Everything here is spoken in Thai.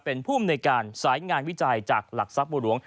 เป็นภูมิในการสายงานวิจัยจากหลักทรัพย์บัวหลวง